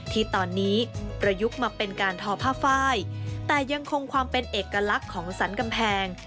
ที่ตอนนี้ประยุกต์มาเป็นการทอผ้าไฟแต่ยังคงความเป็นเอกลักษณ์ของสรรกำแพง